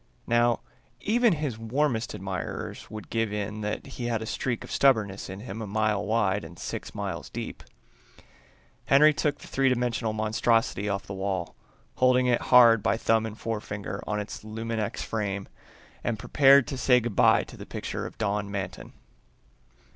Now, even his warmest admirers would give in that he had a streak of stubbornness in him a mile wide and six miles deep. Henry took the three dimensional monstrosity off the wall, holding it hard by thumb and forefinger on its luminex frame, and prepared to say good by to the picture of Don Manton.